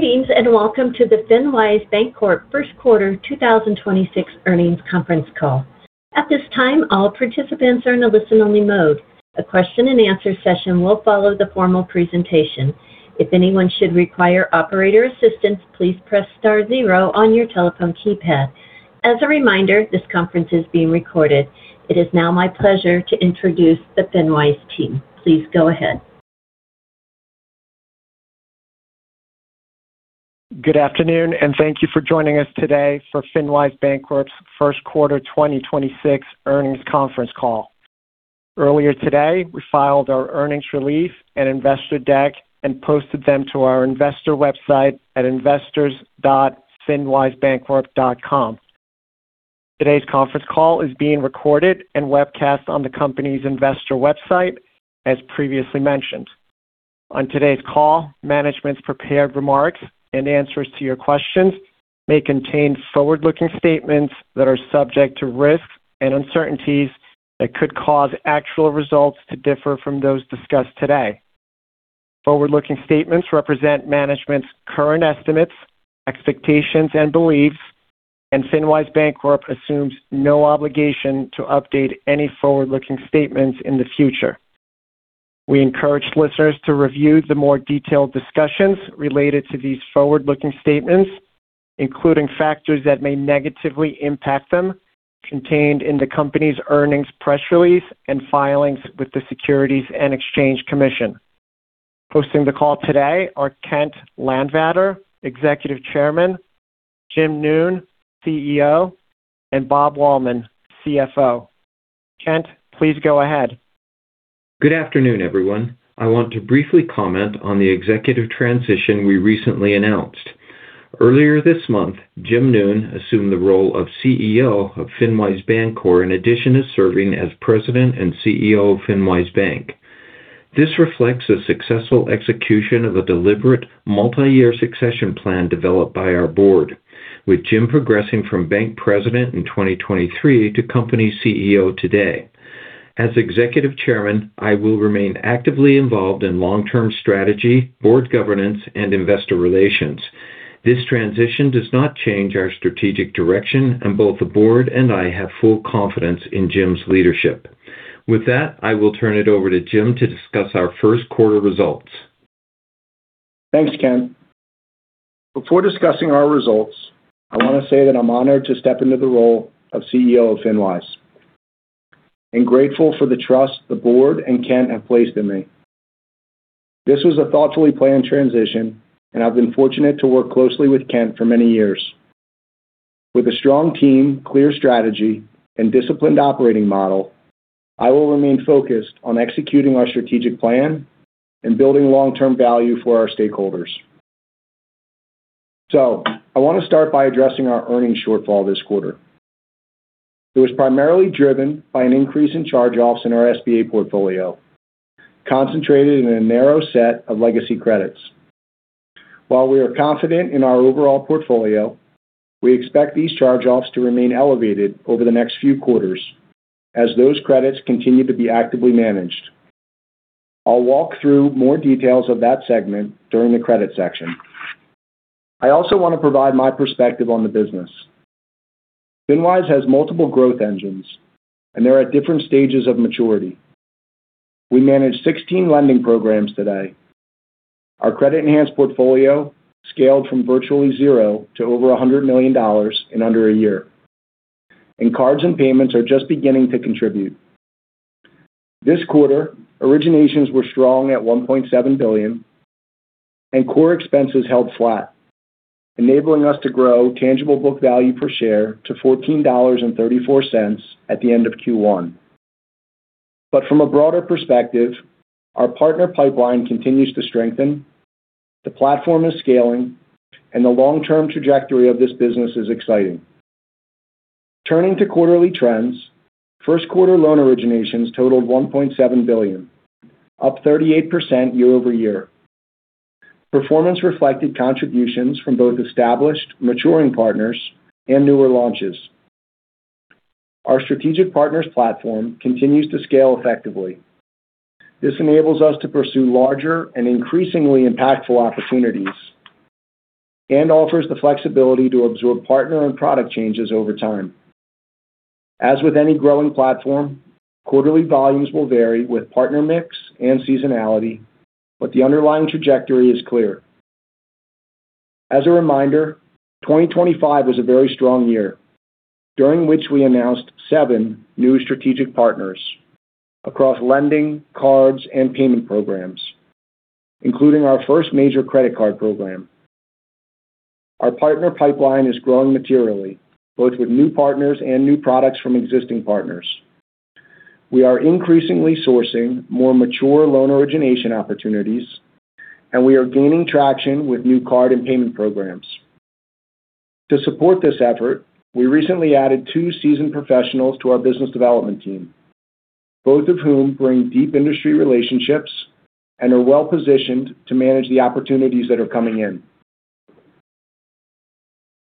Greetings, welcome to the FinWise Bancorp First Quarter 2026 Earnings Conference Call. At this time, all participants are in a listen-only mode. A question-and-answer session will follow the formal presentation. If anyone should require operator assistance, please press star zero on your telephone keypad. As a reminder, this conference is being recorded. It is now my pleasure to introduce the FinWise team. Please go ahead. Good afternoon, thank you for joining us today for FinWise Bancorp's first quarter 2026 earnings conference call. Earlier today, we filed our earnings release and investor deck and posted them to our investor website at investors.finwisebancorp.com. Today's conference call is being recorded and webcast on the company's investor website, as previously mentioned. On today's call, management's prepared remarks and answers to your questions may contain forward-looking statements that are subject to risks and uncertainties that could cause actual results to differ from those discussed today. Forward-looking statements represent management's current estimates, expectations, and beliefs, and FinWise Bancorp assumes no obligation to update any forward-looking statements in the future. We encourage listeners to review the more detailed discussions related to these forward-looking statements, including factors that may negatively impact them, contained in the company's earnings press release and filings with the Securities and Exchange Commission. Hosting the call today are Kent Landvatter, Executive Chairman, Jim Noone, CEO, and Bob Wahlman, CFO. Kent, please go ahead. Good afternoon, everyone. I want to briefly comment on the executive transition we recently announced. Earlier this month, Jim Noone assumed the role of CEO of FinWise Bancorp in addition to serving as President and CEO of FinWise Bank. This reflects a successful execution of a deliberate multi-year succession plan developed by our board, with Jim progressing from bank president in 2023 to company CEO today. As Executive Chairman, I will remain actively involved in long-term strategy, board governance, and investor relations. This transition does not change our strategic direction, and both the board and I have full confidence in Jim's leadership. With that, I will turn it over to Jim to discuss our first quarter results. Thanks, Kent. Before discussing our results, I want to say that I'm honored to step into the role of CEO of FinWise and grateful for the trust the board and Kent have placed in me. This was a thoughtfully planned transition, and I've been fortunate to work closely with Kent for many years. With a strong team, clear strategy, and disciplined operating model, I will remain focused on executing our strategic plan and building long-term value for our stakeholders. I want to start by addressing our earnings shortfall this quarter. It was primarily driven by an increase in charge-offs in our SBA portfolio, concentrated in a narrow set of legacy credits. While we are confident in our overall portfolio, we expect these charge-offs to remain elevated over the next few quarters as those credits continue to be actively managed. I'll walk through more details of that segment during the credit section. I also want to provide my perspective on the business. FinWise has multiple growth engines, and they're at different stages of maturity. We manage 16 lending programs today. Our credit-enhanced portfolio scaled from virtually zero to over $100 million in under a year. Cards and payments are just beginning to contribute. This quarter, originations were strong at $1.7 billion, and core expenses held flat, enabling us to grow tangible book value per share to $14.34 at the end of Q1. From a broader perspective, our partner pipeline continues to strengthen, the platform is scaling, and the long-term trajectory of this business is exciting. Turning to quarterly trends, first quarter loan originations totaled $1.7 billion, up 38% year-over-year. Performance reflected contributions from both established maturing partners and newer launches. Our strategic partners platform continues to scale effectively. This enables us to pursue larger and increasingly impactful opportunities and offers the flexibility to absorb partner and product changes over time. As with any growing platform, quarterly volumes will vary with partner mix and seasonality, but the underlying trajectory is clear. As a reminder, 2025 was a very strong year during which we announced seven new strategic partners across lending, cards, and payment programs, including our first major credit card program. Our partner pipeline is growing materially, both with new partners and new products from existing partners. We are increasingly sourcing more mature loan origination opportunities, and we are gaining traction with new card and payment programs. To support this effort, we recently added two seasoned professionals to our business development team, both of whom bring deep industry relationships and are well-positioned to manage the opportunities that are coming in.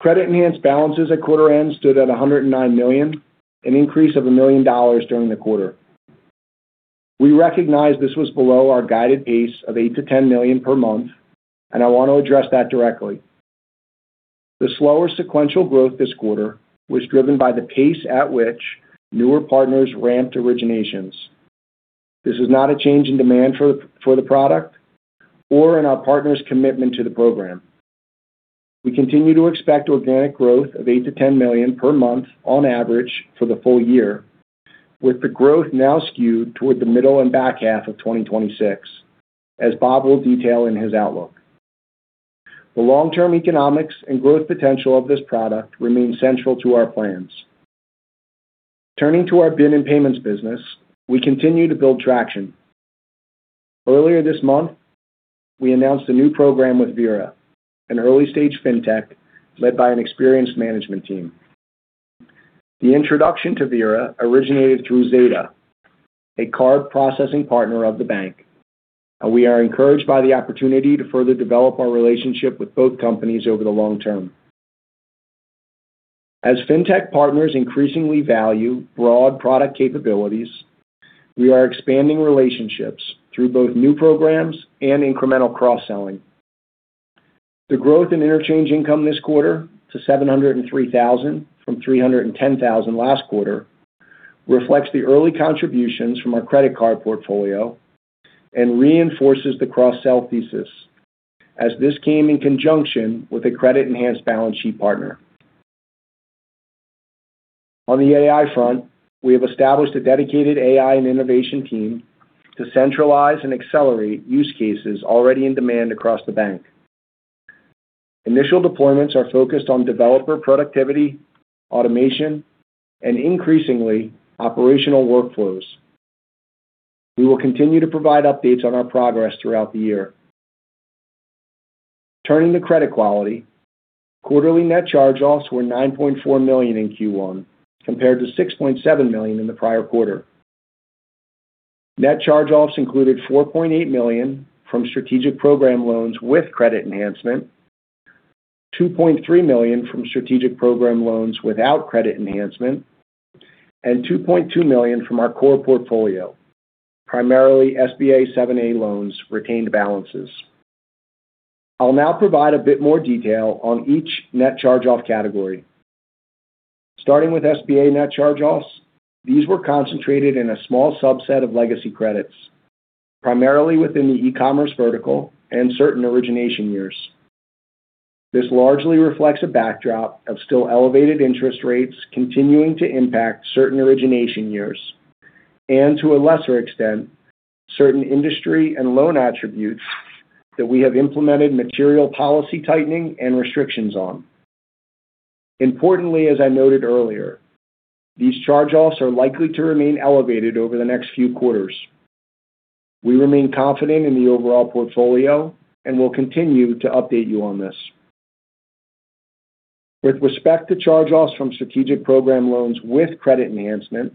Credit-enhanced balances at quarter end stood at $109 million, an increase of $1 million during the quarter. We recognize this was below our guided pace of $8 million-$10 million per month, and I want to address that directly. The slower sequential growth this quarter was driven by the pace at which newer partners ramped originations. This is not a change in demand for the product or in our partners' commitment to the program. We continue to expect organic growth of $8 million-$10 million per month on average for the full year, with the growth now skewed toward the middle and back half of 2026, as Bob will detail in his outlook. The long-term economics and growth potential of this product remain central to our plans. Turning to our BIN and payments business, we continue to build traction. Earlier this month, we announced a new program with Vera, an early-stage fintech led by an experienced management team. The introduction to Vera originated through Zeta, a card processing partner of the bank, and we are encouraged by the opportunity to further develop our relationship with both companies over the long term. As fintech partners increasingly value broad product capabilities, we are expanding relationships through both new programs and incremental cross-selling. The growth in interchange income this quarter to $703,000 from $310,000 last quarter reflects the early contributions from our credit card portfolio and reinforces the cross-sell thesis as this came in conjunction with a credit-enhanced balance sheet partner. On the AI front, we have established a dedicated AI and innovation team to centralize and accelerate use cases already in demand across the bank. Initial deployments are focused on developer productivity, automation, and increasingly, operational workflows. We will continue to provide updates on our progress throughout the year. Turning to credit quality, quarterly net charge-offs were $9.4 million in Q1 compared to $6.7 million in the prior quarter. Net charge-offs included $4.8 million from strategic program loans with credit enhancement, $2.3 million from strategic program loans without credit enhancement, and $2.2 million from our core portfolio, primarily SBA 7A loans retained balances. I'll now provide a bit more detail on each net charge-off category. Starting with SBA net charge-offs, these were concentrated in a small subset of legacy credits, primarily within the e-commerce vertical and certain origination years. This largely reflects a backdrop of still elevated interest rates continuing to impact certain origination years and, to a lesser extent, certain industry and loan attributes that we have implemented material policy tightening and restrictions on. Importantly, as I noted earlier, these charge-offs are likely to remain elevated over the next few quarters. We remain confident in the overall portfolio and will continue to update you on this. With respect to charge-offs from strategic program loans with credit enhancement,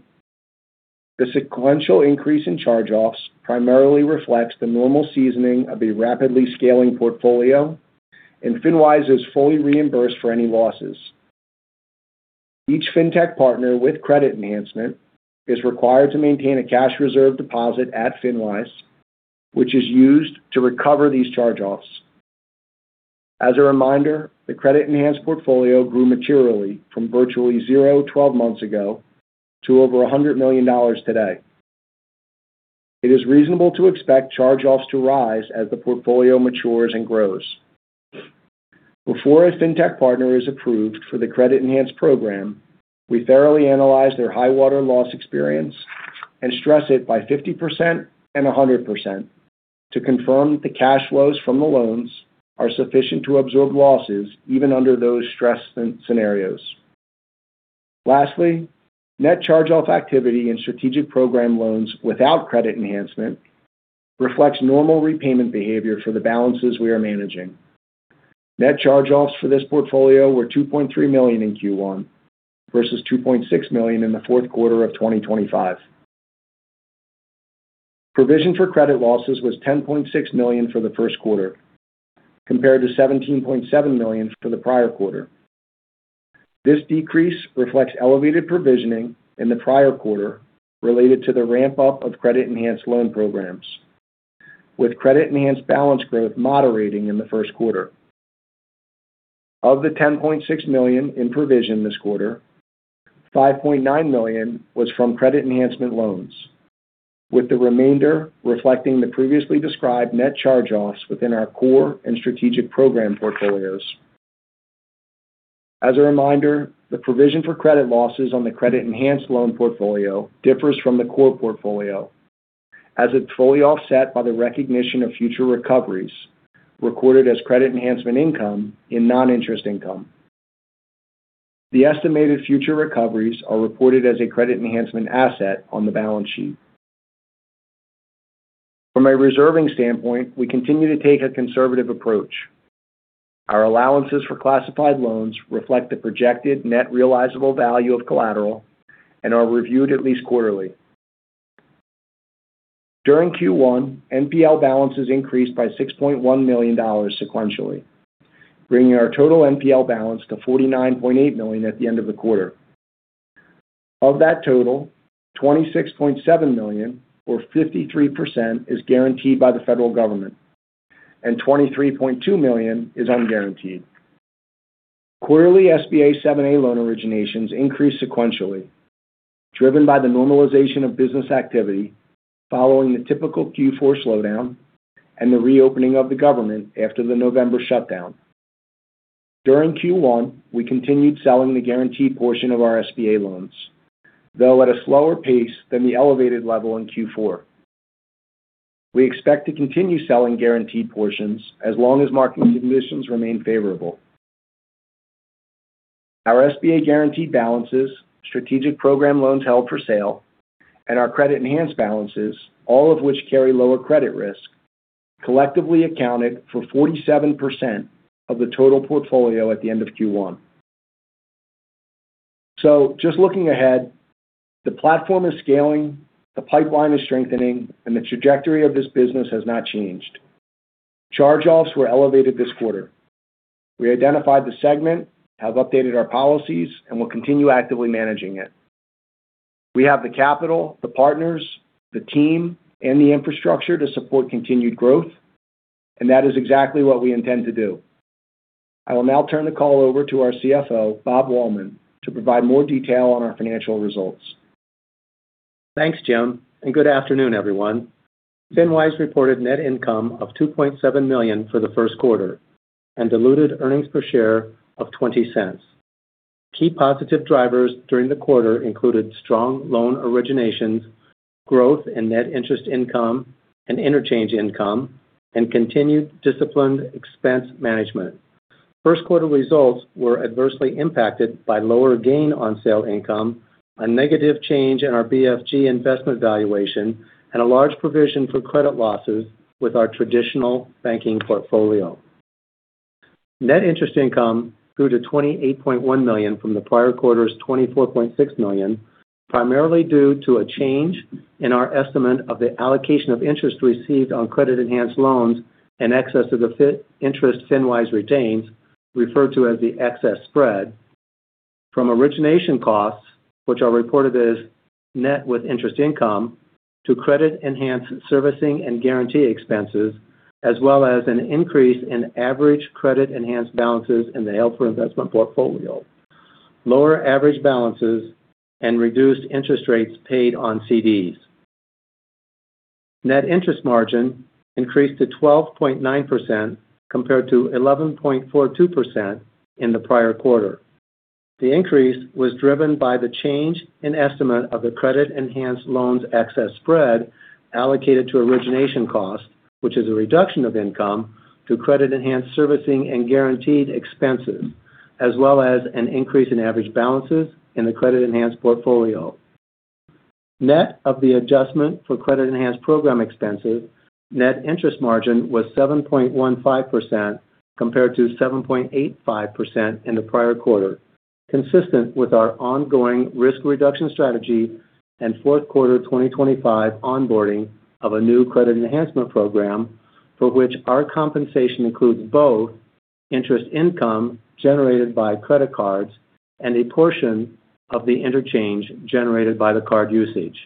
the sequential increase in charge-offs primarily reflects the normal seasoning of a rapidly scaling portfolio, and FinWise is fully reimbursed for any losses. Each fintech partner with credit enhancement is required to maintain a cash reserve deposit at FinWise, which is used to recover these charge-offs. As a reminder, the credit-enhanced portfolio grew materially from virtually zero 12 months ago to over $100 million today. It is reasonable to expect charge-offs to rise as the portfolio matures and grows. Before a fintech partner is approved for the credit-enhanced program, we thoroughly analyze their high-water loss experience and stress it by 50% and 100% to confirm the cash flows from the loans are sufficient to absorb losses even under those stress scenarios. Lastly, net charge-off activity in strategic program loans without credit enhancement reflects normal repayment behavior for the balances we are managing. Net Charge-Offs for this portfolio were $2.3 million in Q1 versus $2.6 million in the fourth quarter of 2025. Provision for credit losses was $10.6 million for the first quarter compared to $17.7 million for the prior quarter. This decrease reflects elevated provisioning in the prior quarter related to the ramp-up of credit-enhanced loan programs, with credit-enhanced balance growth moderating in the first quarter. Of the $10.6 million in provision this quarter, $5.9 million was from credit enhancement loans, with the remainder reflecting the previously described net charge-offs within our core and strategic program portfolios. As a reminder, the provision for credit losses on the credit-enhanced loan portfolio differs from the core portfolio, as it's fully offset by the recognition of future recoveries recorded as credit enhancement income in non-interest income. The estimated future recoveries are reported as a credit enhancement asset on the balance sheet. From a reserving standpoint, we continue to take a conservative approach. Our allowances for classified loans reflect the projected net realizable value of collateral and are reviewed at least quarterly. During Q1, NPL balances increased by $6.1 million sequentially, bringing our total NPL balance to $49.8 million at the end of the quarter. Of that total, $26.7 million, or 53%, is guaranteed by the federal government, and $23.2 million is unguaranteed. Quarterly SBA seven loan originations increased sequentially, driven by the normalization of business activity following the typical Q4 slowdown and the reopening of the government after the November shutdown. During Q1, we continued selling the guaranteed portion of our SBA loans, though at a slower pace than the elevated level in Q4. We expect to continue selling guaranteed portions as long as market conditions remain favorable. Our SBA guaranteed balances, strategic program loans held for sale, and our credit-enhanced balances, all of which carry lower credit risk, collectively accounted for 47% of the total portfolio at the end of Q1. Just looking ahead, the platform is scaling, the pipeline is strengthening, and the trajectory of this business has not changed. Charge-offs were elevated this quarter. We identified the segment, have updated our policies, and will continue actively managing it. We have the capital, the partners, the team, and the infrastructure to support continued growth. That is exactly what we intend to do. I will now turn the call over to our CFO, Bob Wahlman, to provide more detail on our financial results. Thanks, Jim, and good afternoon, everyone. FinWise reported net income of $2.7 million for the first quarter and diluted earnings per share of $0.20. Key positive drivers during the quarter included strong loan originations, growth in net interest income and interchange income, and continued disciplined expense management. First quarter results were adversely impacted by lower gain-on-sale income, a negative change in our BFG investment valuation, and a large provision for credit losses with our traditional banking portfolio. Net interest income grew to $28.1 million from the prior quarter's $24.6 million, primarily due to a change in our estimate of the allocation of interest received on credit-enhanced loans in excess of the interest FinWise retains, referred to as the excess spread, from origination costs, which are reported as net with interest income, to credit-enhanced servicing and guarantee expenses, as well as an increase in average credit-enhanced balances in the held for investment portfolio, lower average balances, and reduced interest rates paid on CDs. Net interest margin increased to 12.9% compared to 11.42% in the prior quarter. The increase was driven by the change in estimate of the credit-enhanced loans excess spread allocated to origination cost, which is a reduction of income to credit-enhanced servicing and guaranteed expenses, as well as an increase in average balances in the credit-enhanced portfolio. Net of the adjustment for credit-enhanced program expenses, net interest margin was 7.15% compared to 7.85% in the prior quarter, consistent with our ongoing risk reduction strategy and fourth quarter 2025 onboarding of a new credit enhancement program for which our compensation includes both interest income generated by credit cards and a portion of the interchange generated by the card usage.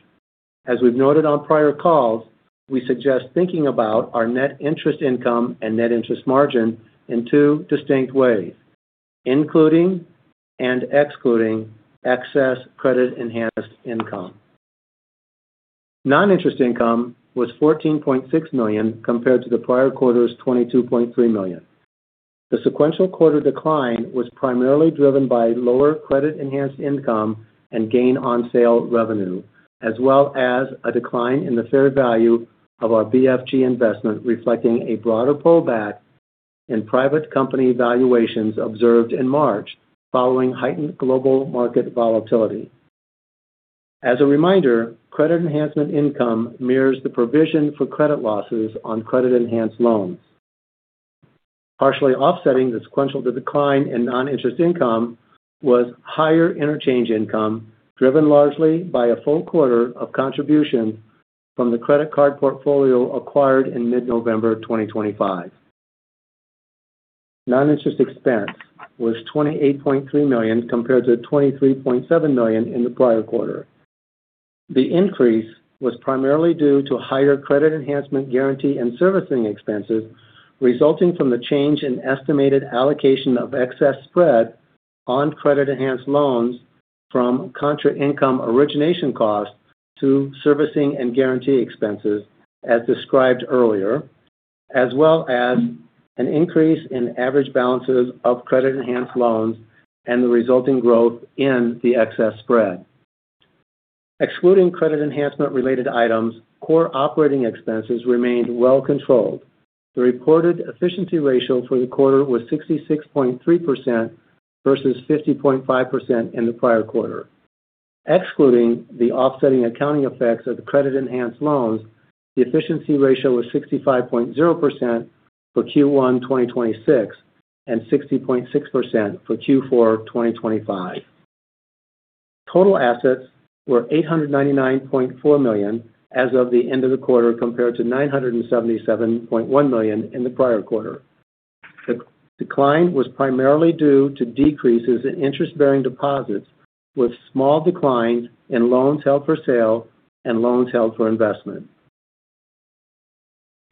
As we've noted on prior calls, we suggest thinking about our net interest income and net interest margin in two distinct ways: including and excluding excess credit-enhanced income. Non-interest income was $14.6 million compared to the prior quarter's $22.3 million. The sequential quarter decline was primarily driven by lower credit-enhanced income and gain-on-sale revenue, as well as a decline in the fair value of our BFG investment, reflecting a broader pullback in private company valuations observed in March following heightened global market volatility. As a reminder, credit enhancement income mirrors the provision for credit losses on credit-enhanced loans. Partially offsetting the sequential decline in non-interest income was higher interchange income driven largely by a full quarter of contribution from the credit card portfolio acquired in mid-November 2025. Non-interest expense was $28.3 million compared to $23.7 million in the prior quarter. The increase was primarily due to higher credit enhancement guarantee and servicing expenses resulting from the change in estimated allocation of excess spread on credit-enhanced loans from contra income origination costs to servicing and guarantee expenses, as described earlier, as well as an increase in average balances of credit-enhanced loans and the resulting growth in the excess spread. Excluding credit enhancement related items, core operating expenses remained well controlled. The reported efficiency ratio for the quarter was 66.3% versus 50.5% in the prior quarter. Excluding the offsetting accounting effects of the credit-enhanced loans, the efficiency ratio was 65.0% for Q1 2026 and 60.6% for Q4 2025. Total assets were $899.4 million as of the end of the quarter compared to $977.1 million in the prior quarter. The decline was primarily due to decreases in interest-bearing deposits, with small declines in loans held for sale and loans held for investment.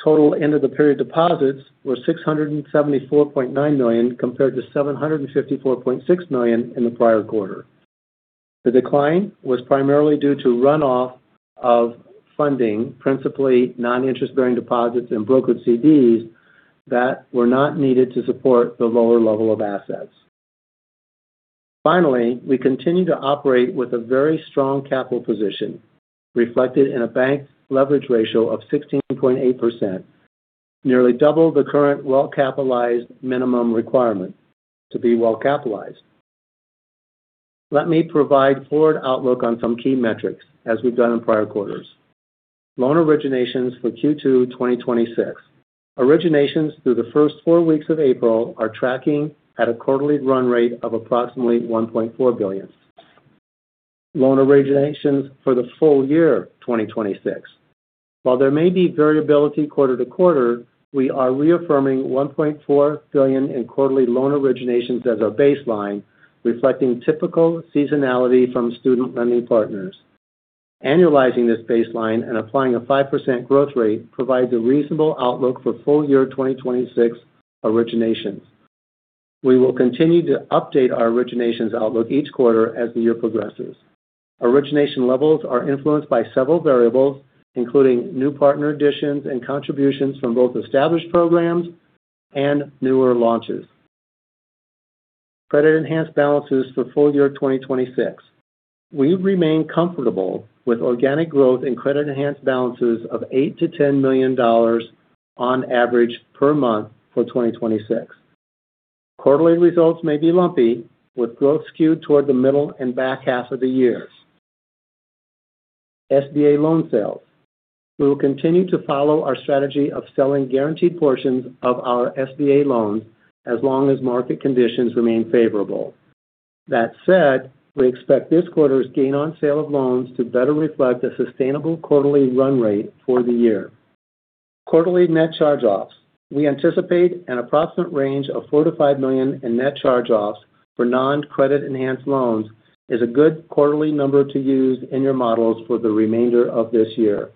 Total end of the period deposits were $674.9 million compared to $754.6 million in the prior quarter. The decline was primarily due to runoff of funding, principally non-interest-bearing deposits and brokered CDs that were not needed to support the lower level of assets. Finally, we continue to operate with a very strong capital position, reflected in a bank leverage ratio of 16.8%, nearly double the current well-capitalized minimum requirement to be well capitalized. Let me provide forward outlook on some key metrics as we've done in prior quarters. Loan originations for Q2 2026. Originations through the first four weeks of April are tracking at a quarterly run rate of approximately $1.4 billion. Loan originations for the full year 2026. While there may be variability quarter to quarter, we are reaffirming $1.4 billion in quarterly loan originations as our baseline, reflecting typical seasonality from student lending partners. Annualizing this baseline and applying a 5% growth rate provides a reasonable outlook for full year 2026 originations. We will continue to update our originations outlook each quarter as the year progresses. Origination levels are influenced by several variables, including new partner additions and contributions from both established programs and newer launches. Credit enhances balances for full year 2026. We remain comfortable with organic growth in credit enhance balances of $8 million-$10 million on average per month for 2026. Quarterly results may be lumpy, with growth skewed toward the middle and back half of the year. SBA loan sales. We will continue to follow our strategy of selling guaranteed portions of our SBA loans as long as market conditions remain favorable. That said, we expect this quarter's gain-on-sale of loans to better reflect a sustainable quarterly run rate for the year. Quarterly net charge-offs. We anticipate an approximate range of $45 million in net charge-offs for non-credit-enhanced loans is a good quarterly number to use in your models for the remainder of this year.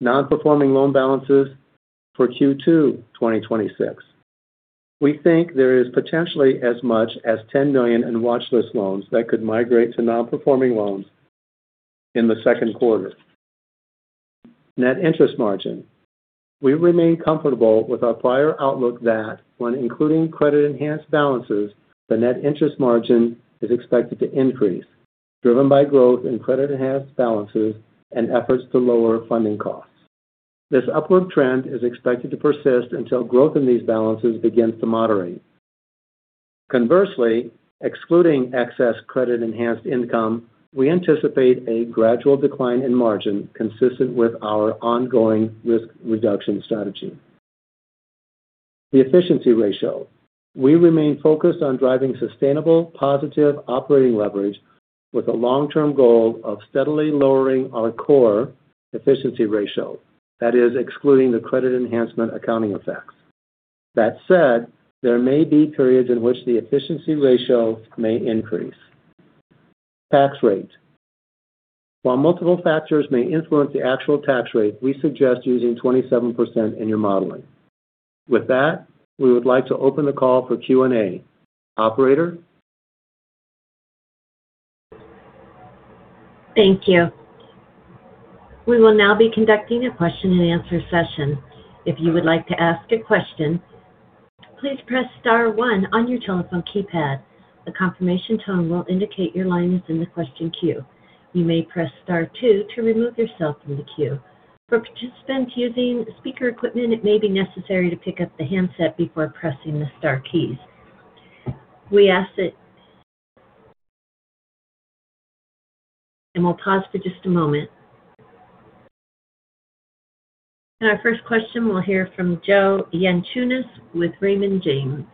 Non-performing loan balances for Q2 2026. We think there is potentially as much as $10 million in watch list loans that could migrate to non-performing loans in the second quarter. Net interest margin. We remain comfortable with our prior outlook that when including credit-enhanced balances, the net interest margin is expected to increase, driven by growth in credit-enhanced balances and efforts to lower funding costs. This upward trend is expected to persist until growth in these balances begins to moderate. Conversely, excluding excess credit-enhanced income, we anticipate a gradual decline in margin consistent with our ongoing risk reduction strategy. The efficiency ratio. We remain focused on driving sustainable positive operating leverage with a long-term goal of steadily lowering our core efficiency ratio. That is, excluding the credit enhancement accounting effects. That said, there may be periods in which the efficiency ratio may increase. Tax rate. While multiple factors may influence the actual tax rate, we suggest using 27% in your modeling. With that, we would like to open the call for Q&A. Operator? Thank you. We will now be conducting a question-and-answer session. If you would like to ask a question, please press star one on your telephone keypad. The confirmation tone will indicate your line is in the question queue. You may press star two to remove yourself from the queue. For participants using speaker equipment, it may be necessary to pick up the handset before pressing the star key. We ask that... And we'll pause for just a moment. Our first question, we'll hear from Joseph Yanchunis with Raymond James.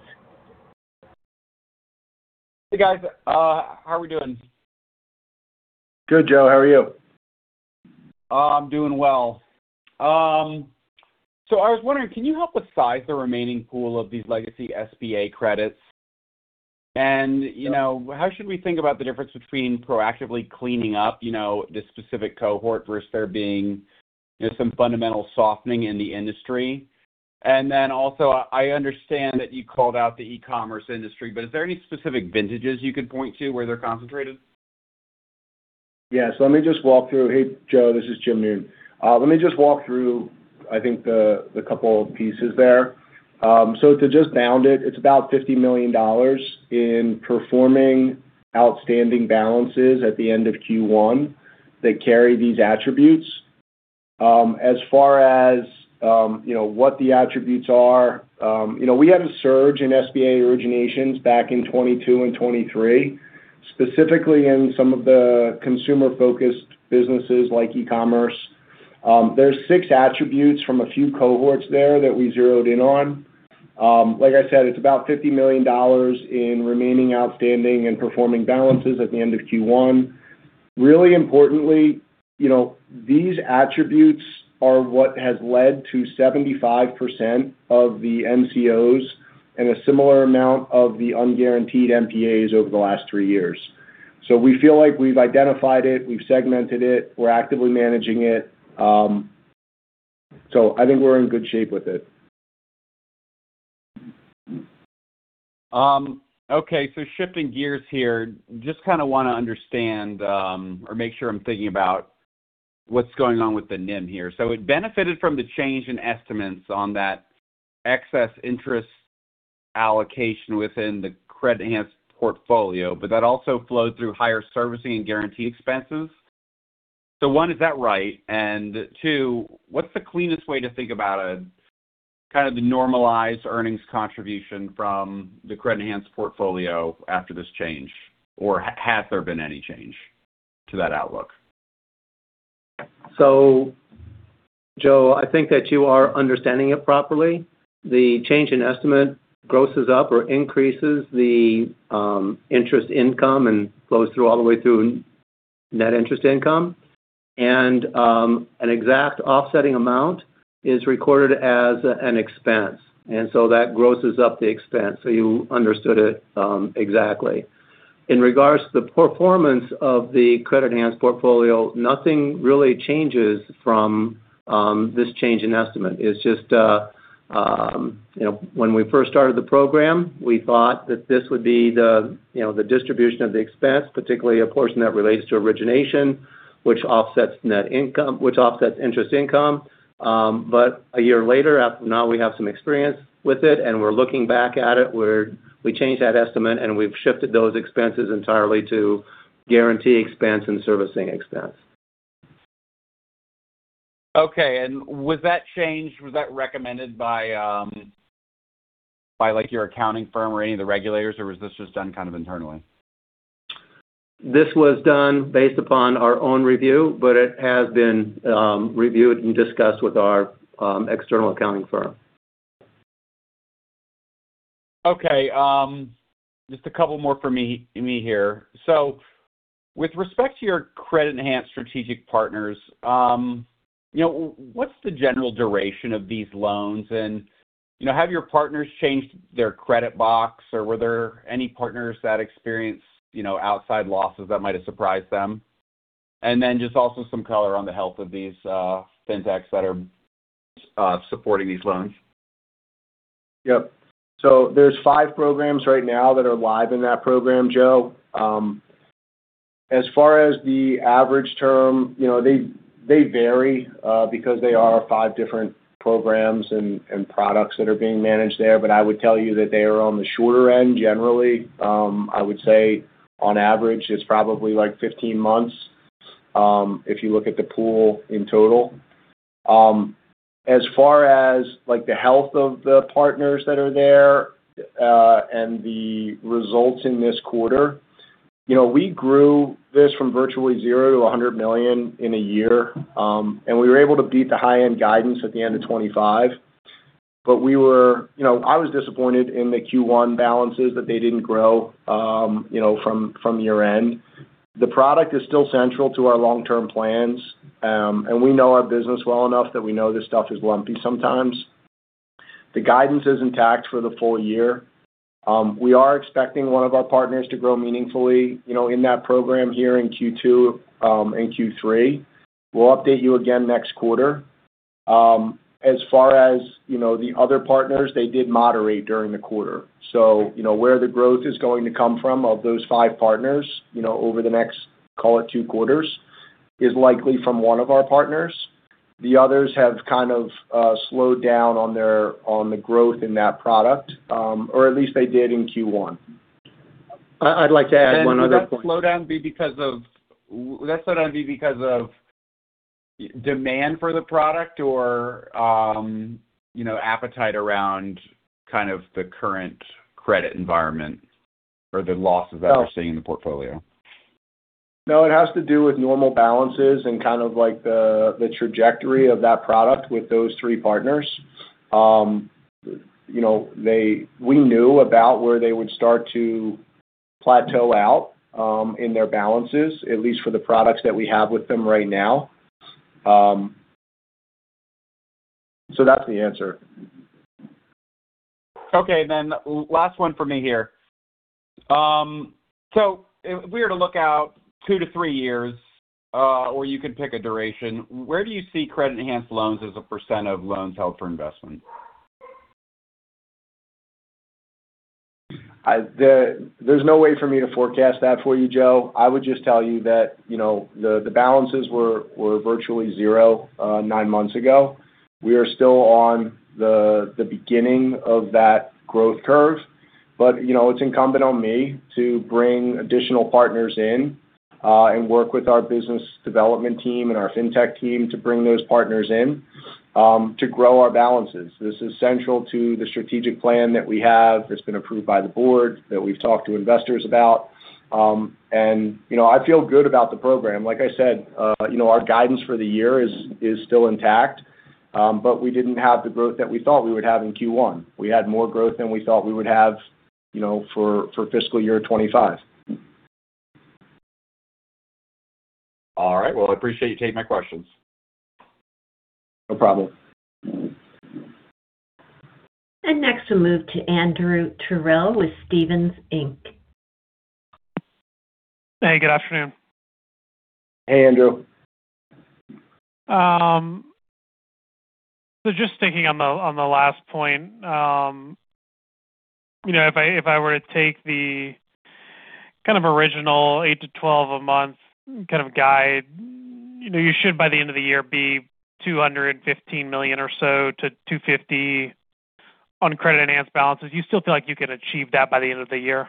Hey, guys. How are we doing? Good, Joe. How are you? I'm doing well. I was wondering, can you help with size the remaining pool of these legacy SBA credits? You know, how should we think about the difference between proactively cleaning up, you know, this specific cohort versus there being, you know, some fundamental softening in the industry? I understand that you called out the e-commerce industry, but is there any specific vintages you could point to where they're concentrated? Yes. Let me just walk through. Hey, Joseph Yanchunis, this is Jim Noone. Let me just walk through, I think the couple of pieces there. So, to just bound it's about $50 million in performing outstanding balances at the end of Q1. They carry these attributes. As far as, you know, what the attributes are, you know, we had a surge in SBA originations back in 2022 and 2023, specifically in some of the consumer-focused businesses like e-commerce. There's six attributes from a few cohorts there that we zeroed in on. Like I said, it's about $50 million in remaining outstanding and performing balances at the end of Q1. Really importantly, you know, these attributes are what has led to 75% of the NCOs and a similar amount of the unguaranteed NPAs over the last three years. We feel like we've identified it, we've segmented it, we're actively managing it. I think we're in good shape with it. Okay. Shifting gears here. Just kinda wanna understand or make sure I'm thinking about what's going on with the NIM here. It benefited from the change in estimates on that excess interest allocation within the credit-enhanced portfolio, but that also flowed through higher servicing and guarantee expenses. One, is that right? Two, what's the cleanest way to think about kind of the normalized earnings contribution from the credit-enhanced portfolio after this change? Or has there been any change to that outlook? Joe, I think that you are understanding it properly. The change in estimate grosses up or increases the interest income and flows through all the way through net interest income. An exact offsetting amount is recorded as an expense, and so that grosses up the expense. You understood it exactly. In regard to the performance of the credit-enhanced portfolio, nothing really changes from this change in estimate. It's just, you know, when we first started the program, we thought that this would be the, you know, the distribution of the expense, particularly a portion that relates to origination, which offsets interest income. A year later, now we have some experience with it, and we're looking back at it, we changed that estimate, and we've shifted those expenses entirely to guarantee expense and servicing expense. Okay. Was that changed, was that recommended by, like, your accounting firm or any of the regulators, or was this just done kind of internally? This was done based upon our own review, but it has been reviewed and discussed with our external accounting firm. Okay. Just a couple more from me here. With respect to your credit-enhanced strategic partners, you know, what's the general duration of these loans? You know, have your partners changed their credit box, or were there any partners that experienced, you know, outside losses that might have surprised them? Just also some color on the health of these fintechs that are supporting these loans. Yep. There's five programs right now that are live in that program, Joe. As far as the average term, you know, they vary because they are five different programs and products that are being managed there. I would tell you that they are on the shorter end generally. I would say on average, it's probably like 15 months if you look at the pool in total. As far as, like, the health of the partners that are there and the results in this quarter, you know, we grew this from virtually 0 to $100 million in a year. We were able to beat the high-end guidance at the end of 2025. You know, I was disappointed in the Q1 balances that they didn't grow, you know, from year-end. The product is still central to our long-term plans. We know our business well enough that we know this stuff is lumpy sometimes. The guidance is intact for the full year. We are expecting one of our partners to grow meaningfully, you know, in that program here in Q2 and Q3. We'll update you again next quarter. As far as, you know, the other partners, they did moderate during the quarter. You know, where the growth is going to come from of those five partners, you know, over the next, call it, two quarters, is likely from one of our partners. The others have kind of slowed down on the growth in that product, or at least they did in Q1. I'd like to add one other point. Would that slowdown be because of demand for the product or, you know, appetite around kind of the current credit environment or the losses that we're seeing in the portfolio? No, it has to do with normal balances and kind of like the trajectory of that product with those three partners. you know, we knew about where they would start to plateau out in their balances, at least for the products that we have with them right now. That's the answer. Okay. Last one for me here. If we were to look out two to three years, or you could pick a duration, where do you see credit-enhanced loans as a percent of loans held for investment? There's no way for me to forecast that for you, Joe. I would just tell you that, you know, the balances were virtually zero, nine months ago. We are still on the beginning of that growth curve. You know, it's incumbent on me to bring additional partners in and work with our business development team and our fintech team to bring those partners in to grow our balances. This is central to the strategic plan that we have, that's been approved by the board, that we've talked to investors about. You know, I feel good about the program. Like I said, you know, our guidance for the year is still intact. We didn't have the growth that we thought we would have in Q1. We had more growth than we thought we would have, you know, for FY 2025. All right. Well, I appreciate you taking my questions. No problem. Next, we'll move to Andrew Terrell with Stephens Inc. Hey, good afternoon. Hey, Andrew. Just thinking on the, on the last point, if I, if I were to take the kind of original eight to 12 a month kind of guide, you know, you should by the end of the year be $215 million or so to $250 million on credit-enhanced balances. Do you still feel like you can achieve that by the end of the year?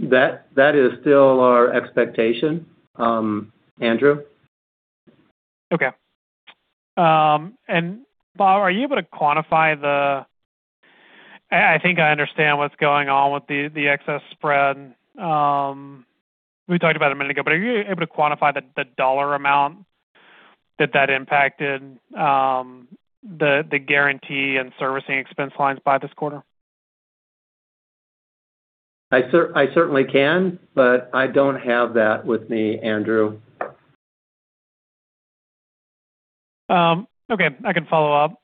That is still our expectation, Andrew. Okay. Bob, are you able to quantify the I think I understand what's going on with the excess spread. We talked about a minute ago, are you able to quantify the dollar amount that that impacted, the guarantee and servicing expense lines by this quarter? I certainly can, but I don't have that with me, Andrew. Okay. I can follow up.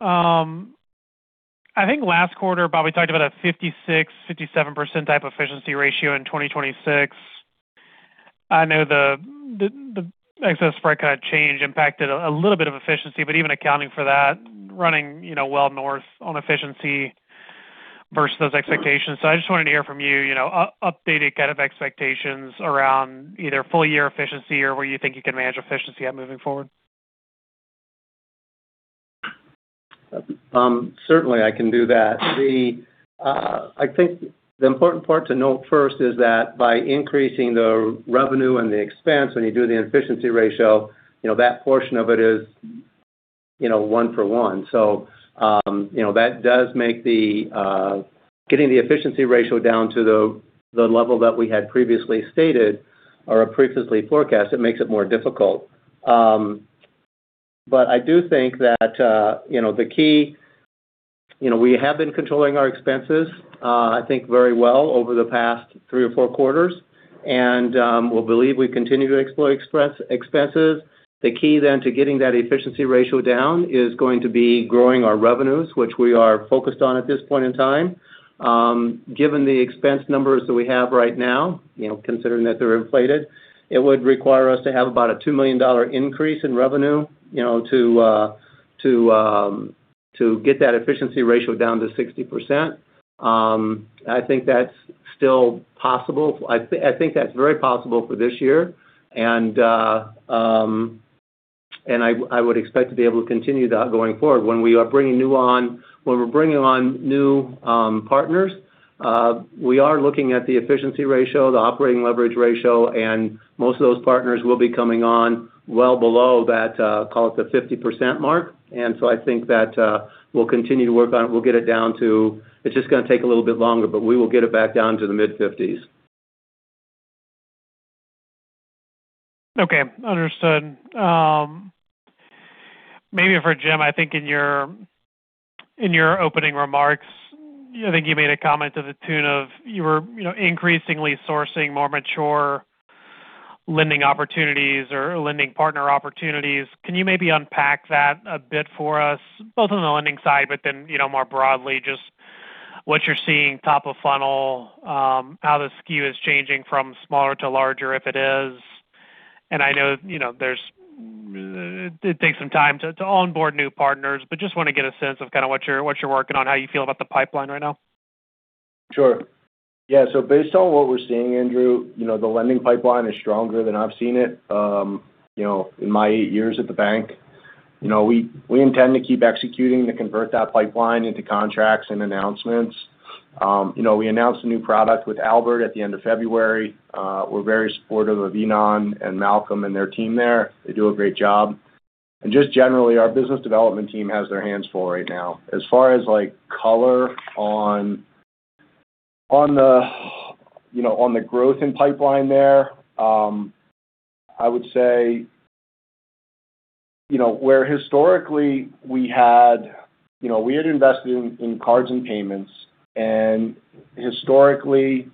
I think last quarter, Bob, we talked about a 56%, 57% type efficiency ratio in 2026. I know the excess spread kind of change impacted a little bit of efficiency, but even accounting for that, running, you know, well north on efficiency versus those expectations. I just wanted to hear from you know, updated kind of expectations around either full-year efficiency or where you think you can manage efficiency at moving forward. Certainly, I can do that. I think the important part to note first is that by increasing the revenue and the expense when you do the efficiency ratio, that portion of it is one for one. That does make getting the efficiency ratio down to the level that we had previously stated or previously forecast, it makes it more difficult. I do think that the key, we have been controlling our expenses, I think very well over the past three or four quarters, and we believe we continue to explore expenses. The key then to getting that efficiency ratio down is going to be growing our revenues, which we are focused on at this point in time. Given the expense numbers that we have right now, you know, considering that they're inflated, it would require us to have about a $2 million increase in revenue, you know, to get that efficiency ratio down to 60%. I think that's still possible. I think that's very possible for this year. I would expect to be able to continue that going forward. When we're bringing on new partners, we are looking at the efficiency ratio, the operating leverage ratio, and most of those partners will be coming on well below that, call it the 50% mark. I think that we'll continue to work on it. We'll get it down to. It's just gonna take a little bit longer, but we will get it back down to the mid-50s. Okay. Understood. Maybe for Jim, I think in your, in your opening remarks, I think you made a comment to the tune of you were, you know, increasingly sourcing more mature lending opportunities or lending partner opportunities. Can you maybe unpack that a bit for us, both on the lending side, but then, you know, more broadly just what you're seeing top of funnel, how the SKU is changing from smaller to larger, if it is. I know, you know, it takes some time to onboard new partners, but just wanna get a sense of kind of what you're, what you're working on, how you feel about the pipeline right now. Sure. Yeah. Based on what we're seeing, Andrew Terrell, you know, the lending pipeline is stronger than I've seen it, you know, in my eight years at the bank. You know, we intend to keep executing to convert that pipeline into contracts and announcements. You know, we announced a new product with Albert at the end of February. We're very supportive of Enon and Malcolm and their team there. They do a great job. Just generally, our business development team has their hands full right now. As far as, like, color on the, you know, on the growth in pipeline there, I would say, you know, where historically we had invested in cards and payments, and historically,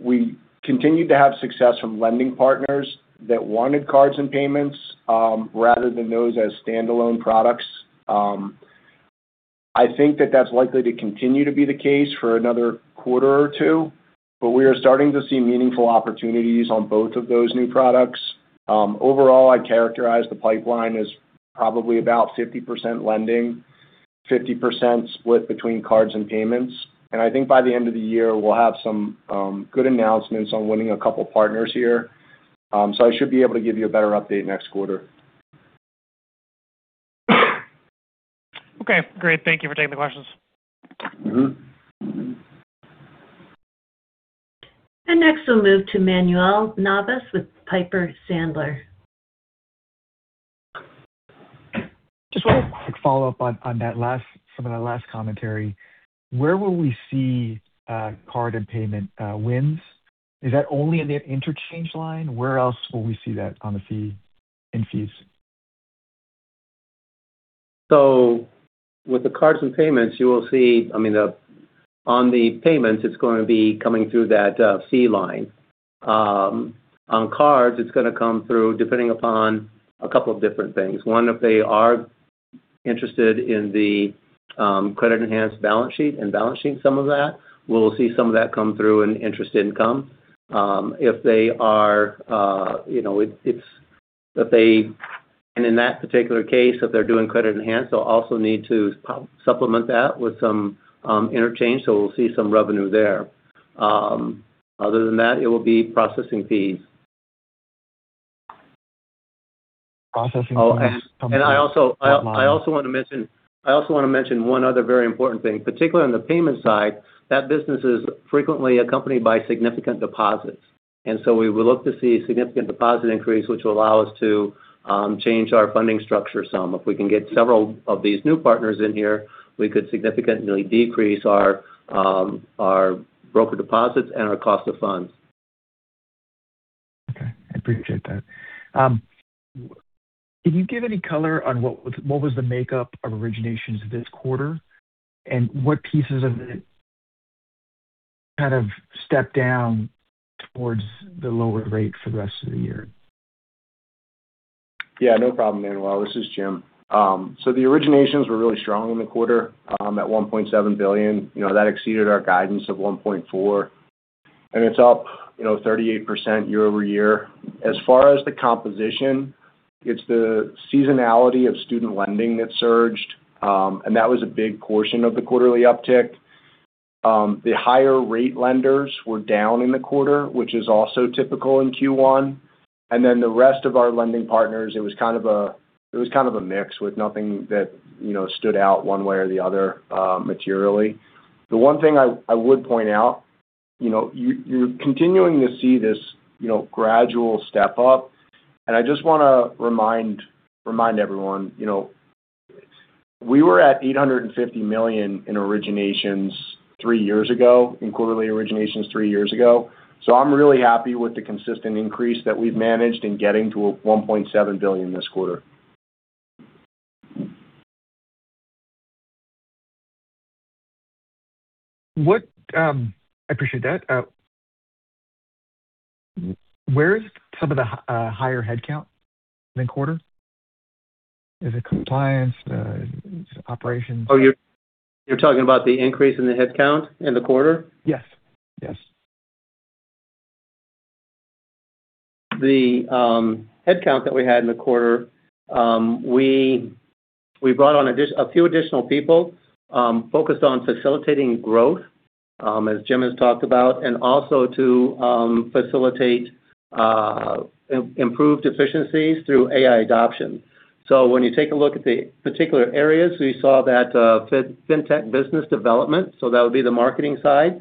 we continued to have success from lending partners that wanted cards and payments, rather than those as standalone products. I think that that's likely to continue to be the case for another quarter or two, but we are starting to see meaningful opportunities on both of those new products. Overall, I'd characterize the pipeline as probably about 50% lending, 50% split between cards and payments. I think by the end of the year, we'll have some good announcements on winning a couple partners here. I should be able to give you a better update next quarter. Okay, great. Thank you for taking the questions. Mm-hmm. Next, we'll move to Manuel Navas with Piper Sandler. Just wanted a quick follow-up on some of that last commentary. Where will we see card and payment wins? Is that only in the interchange line? Where else will we see that in fees? With the cards and payments, you will see, I mean, on the payments, it's going to be coming through that fee line. On cards, it's going to come through depending upon a couple of different things. One, if they are interested in the credit-enhanced balance sheet and balance sheet some of that, we will see some of that come through in interest income. If they are, you know, and in that particular case, if they are doing credit-enhanced, they will also need to supplement that with some interchange, so we will see some revenue there. Other than that, it will be processing fees. Processing fees. I also wanna mention one other very important thing. Particularly on the payment side, that business is frequently accompanied by significant deposits. We would look to see significant deposit increase, which will allow us to change our funding structure some. If we can get several of these new partners in here, we could significantly decrease our broker deposits and our cost of funds. Okay. I appreciate that. Can you give any color on what was the makeup of originations this quarter, and what pieces of it kind of stepped down towards the lower rate for the rest of the year? Yeah, no problem, Manuel. This is Jim. The originations were really strong in the quarter at $1.7 billion. You know, that exceeded our guidance of $1.4 billion. It is up, you know, 38% year-over-year. As far as the composition, it's the seasonality of student lending that surged, and that was a big portion of the quarterly uptick. The higher rate lenders were down in the quarter, which is also typical in Q1. Then the rest of our lending partners, it was kind of a mix with nothing that, you know, stood out one way or the other materially. The one thing I would point out, you know, you're continuing to see this, you know, gradual step-up, and I just wanna remind everyone, you know, we were at $850 million in originations three years ago, in quarterly originations three years ago. I'm really happy with the consistent increase that we've managed in getting to $1.7 billion this quarter. I appreciate that. Where is some of the higher headcount in the quarter? Is it compliance? Is it operations? Oh, you're talking about the increase in the headcount in the quarter? Yes. Yes. The headcount that we had in the quarter, we brought on a few additional people, focused on facilitating growth, as Jim has talked about, and also to facilitate improved efficiencies through AI adoption. When you take a look at the particular areas, we saw that fintech business development, so that would be the marketing side,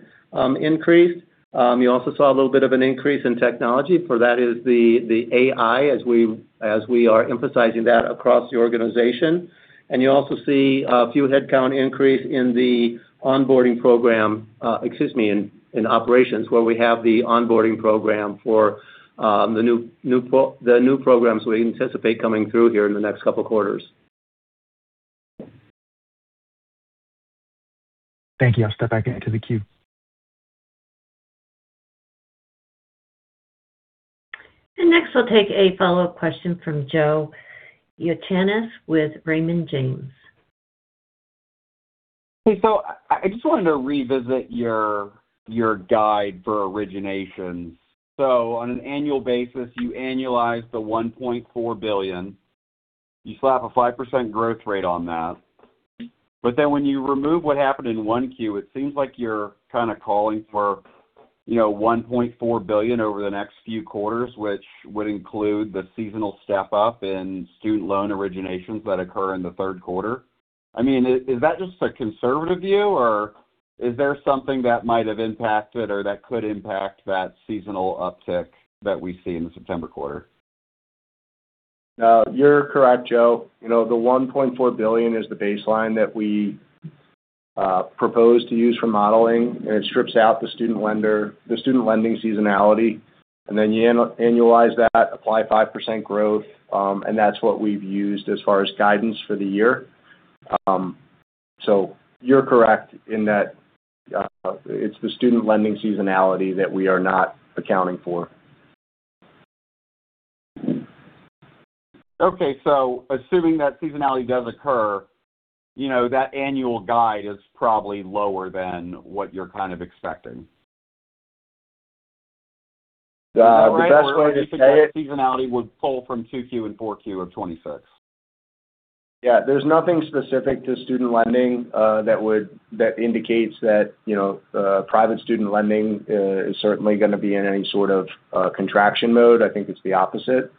increased. You also saw a little bit of an increase in technology, for that is the AI as we are emphasizing that across the organization. You also see a few headcounts increase in the onboarding program, excuse me, in operations, where we have the onboarding program for the new programs, we anticipate coming through here in the next couple quarters. Thank you. I'll step back into the queue. Next, we'll take a follow-up question from Joseph Yanchunis with Raymond James. Hey. I just wanted to revisit your guide for originations. On an annual basis, you annualize the $1.4 billion. You slap a 5% growth rate on that. When you remove what happened in 1Q, it seems like you're kinda calling for, you know, $1.4 billion over the next few quarters, which would include the seasonal step-up in student loan originations that occur in the third quarter. I mean, is that just a conservative view, or is there something that might have impacted or that could impact that seasonal uptick that we see in the September quarter? No, you're correct, Joe. You know, the $1.4 billion is the baseline that we propose to use for modeling, and it strips out the student lending seasonality. Then you annualize that, apply 5% growth, and that's what we've used as far as guidance for the year. You're correct in that it's the student lending seasonality that we are not accounting for. Okay. Assuming that seasonality does occur, you know, that annual guide is probably lower than what you're kind of expecting. Is that right? The best way to say it. Do you think that seasonality would pull from 2Q and 4Q of 2026? Yeah. There's nothing specific to student lending that indicates that, you know, private student lending is certainly gonna be in any sort of contraction mode. I think it's the opposite.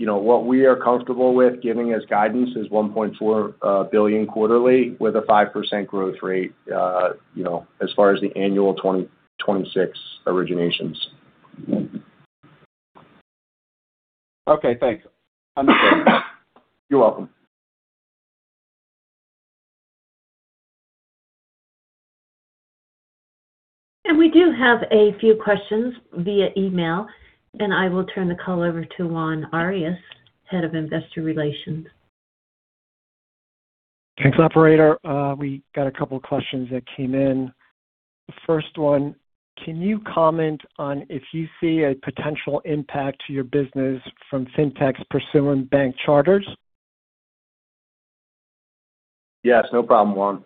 You know, what we are comfortable with giving as guidance is $1.4 billion quarterly with a 5% growth rate, you know, as far as the annual 2026 originations. Okay, thanks. Understood. You're welcome. We do have a few questions via email, and I will turn the call over to Juan Arias, Head of Investor Relations. Thanks, operator. We got two questions that came in. The first one, can you comment on if you see a potential impact to your business from Fintechs pursuing bank charters? Yes, no problem, Juan.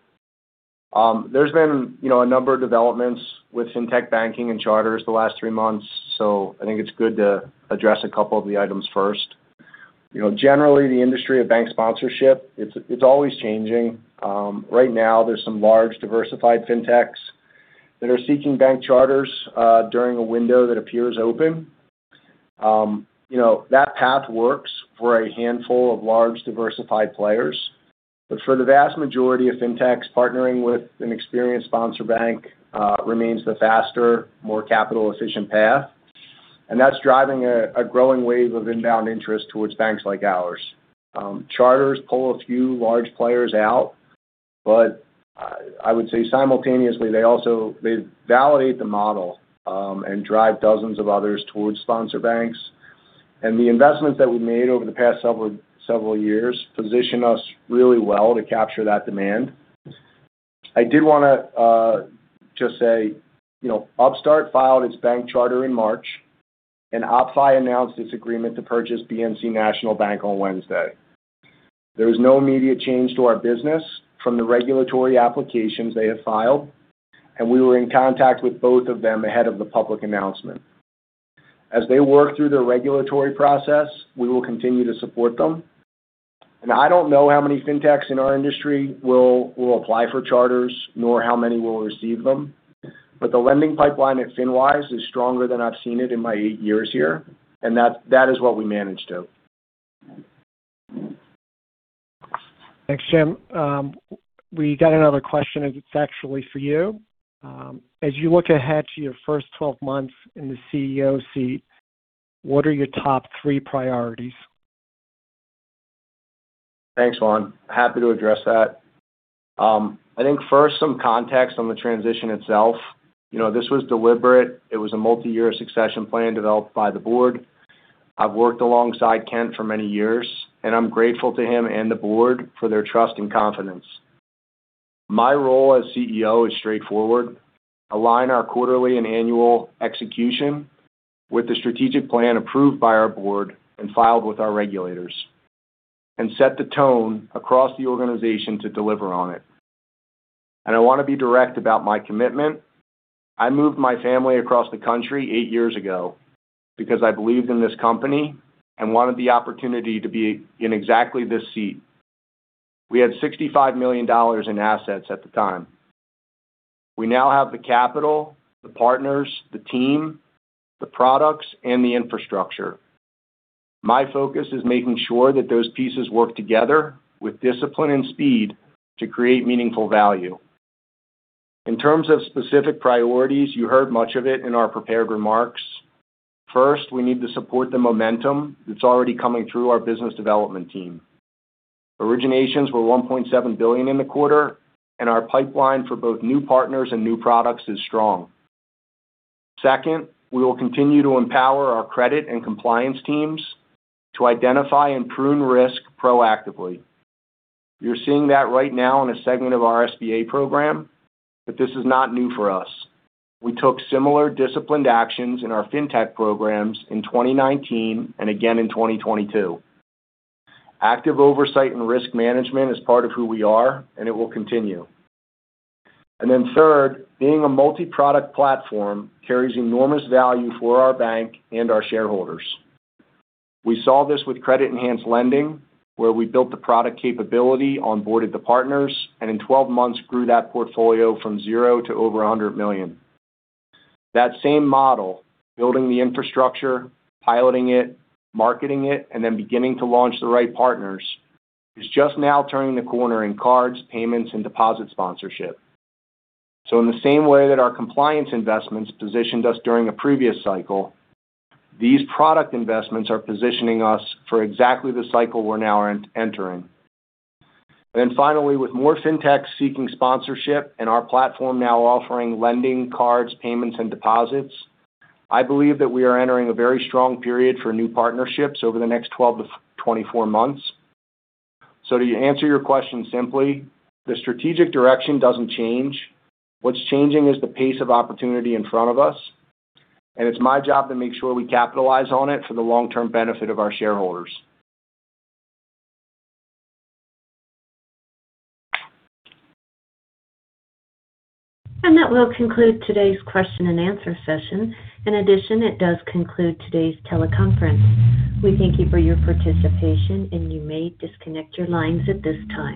There's been, you know, a number of developments with Fintech banking and charters the last three months. I think it's good to address a couple of the items first. You know, generally, the industry of bank sponsorship, it's always changing. Right now, there's some large, diversified Fintechs that are seeking bank charters during a window that appears open. You know that path works for a handful of large, diversified players. For the vast majority of Fintechs, partnering with an experienced sponsor bank remains the faster, more capital-efficient path. That's driving a growing wave of inbound interest towards banks like ours. Charters pull a few large players out, but I would say simultaneously, they also validate the model and drive dozens of others towards sponsor banks. The investments that we made over the past several years position us really well to capture that demand. I did want to, just say, you know, Upstart filed its bank charter in March, and OppFi announced its agreement to purchase BNC National Bank on Wednesday. There is no immediate change to our business from the regulatory applications they have filed, and we were in contact with both of them ahead of the public announcement. As they work through their regulatory process, we will continue to support them. I don't know how many fintechs in our industry will apply for charters, nor how many will receive them, but the lending pipeline at FinWise is stronger than I've seen it in my eight years here, and that is what we manage to. Thanks, Jim. We got another question; it's actually for you. As you look ahead to your first 12 months in the CEO seat, what are your top three priorities? Thanks, Juan. Happy to address that. I think first some context on the transition itself. You know, this was deliberate. It was a multi-year succession plan developed by the board. I've worked alongside Kent for many years, and I'm grateful to him and the board for their trust and confidence. My role as CEO is straightforward: align our quarterly and annual execution with the strategic plan approved by our board and filed with our regulators and set the tone across the organization to deliver on it. I want to be direct about my commitment. I moved my family across the country eight years ago because I believed in this company and wanted the opportunity to be in exactly this seat. We had $65 million in assets at the time. We now have the capital, the partners, the team, the products, and the infrastructure. My focus is making sure that those pieces work together with discipline and speed to create meaningful value. In terms of specific priorities, you heard much of it in our prepared remarks. First, we need to support the momentum that's already coming through our business development team. Originations were $1.7 billion in the quarter, and our pipeline for both new partners and new products is strong. Second, we will continue to empower our credit and compliance teams to identify and prune risk proactively. You're seeing that right now in a segment of our SBA program, but this is not new for us. We took similar disciplined actions in our Fintech programs in 2019 and again in 2022. Active oversight and risk management is part of who we are, and it will continue. Third, being a multi-product platform carries enormous value for our Bank and our shareholders. We saw this with credit-enhanced lending, where we built the product capability, onboarded the partners, and in 12 months grew that portfolio from 0 to over $100 million. That same model, building the infrastructure, piloting it, marketing it, beginning to launch the right partners, is just now turning the corner in cards, payments, and deposit sponsorship. In the same way that our compliance investments positioned us during a previous cycle, these product investments are positioning us for exactly the cycle we're now entering. Finally, with more Fintechs seeking sponsorship and our platform now offering lending, cards, payments, and deposits, I believe that we are entering a very strong period for new partnerships over the next 12 to 24 months. To answer your question simply, the strategic direction doesn't change. What's changing is the pace of opportunity in front of us, and it's my job to make sure we capitalize on it for the long-term benefit of our shareholders. That will conclude today's question and answer session. In addition, it does conclude today's teleconference. We thank you for your participation, and you may disconnect your lines at this time.